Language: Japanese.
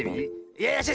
いやいや！